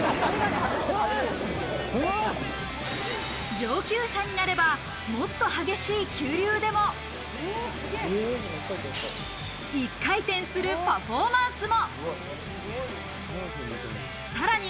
上級者になれば、もっと激しい急流でも、１回転するパフォーマンスも。